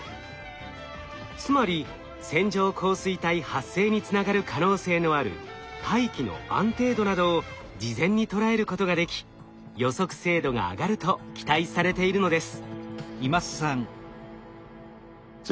つまり線状降水帯発生につながる可能性のある大気の安定度などを事前にとらえることができ予測精度が上がると期待されているのです。